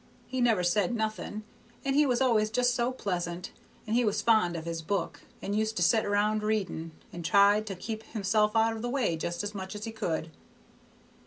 He never said nothing, and he was always just so pleasant, and he was fond of his book, and used to set round reading, and tried to keep himself out of the way just as much as he could.